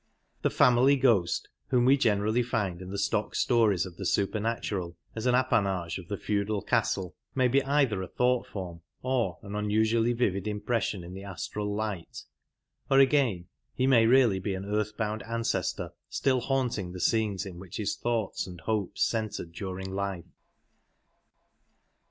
The family ghost, whom we generally find in the stock stories of the supernatural as an appanage of Ghc«ts^ the feudal castle, may be either a thought form or an unusually vivid impression in the astral light, or again he may really be an earth bound ancestor still haunting the scenes in which his thoughts and hopes centred during life.